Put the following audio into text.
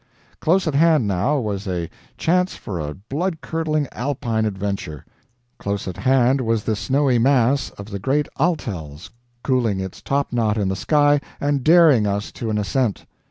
Close at hand, now, was a chance for a blood curdling Alpine adventure. Close at hand was the snowy mass of the Great Altels cooling its topknot in the sky and daring us to an ascent.